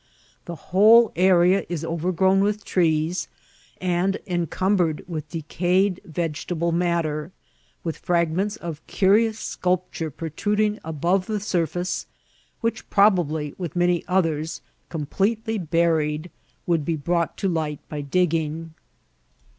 The whole area is overgrown with trees and encumbered with decayed vegetable matter, with fragments of curi ous sculpture protruding above the surface, which, prob ably with many others completely buried, would be brought to light by digging.